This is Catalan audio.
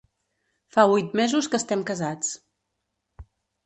Fa huit mesos que estem casats.